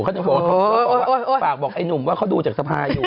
เขาจะบอกฝากบอกไอ้นุ่มว่าเขาดูจากสะพายอยู่